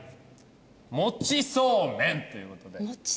もちそうめんという事で。